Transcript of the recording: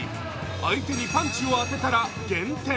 相手にパンチを当てたら減点。